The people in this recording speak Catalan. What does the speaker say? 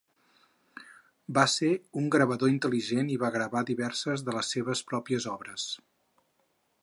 Va ser un gravador intel·ligent i va gravar diverses de les seves pròpies obres.